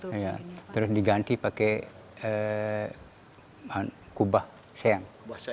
dirobohkan ya terus diganti pakai kubah seng